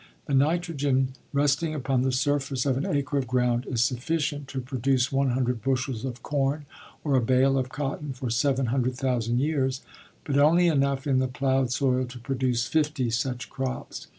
The nitrogen resting upon the surface of an acre of ground is sufficient to produce one hundred bushels of corn or a bale of cotton for 700,000 years; but only enough in the plowed soil to produce fifty such crops.